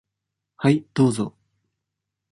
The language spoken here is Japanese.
はい、どうぞ。